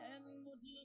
mẹ ơi mẹ đừng buồn